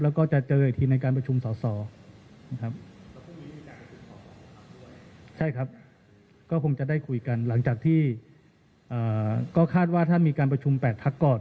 ก็ยังคงเชื่อมั่นอยู่ว่าถ้าแปดพักจับมือกันแน่นพอการจัดตั้งรัฐบาลจะเกิดขึ้นได้ยากหรือง่ายลองไปฟังนะครับ